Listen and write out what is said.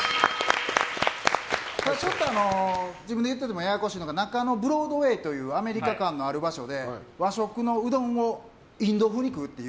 自分で言っておいてややこしいのが中野ブロードウェイというアメリカ感のある場所で和食のうどんをインド風に食うっていう。